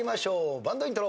バンドイントロ。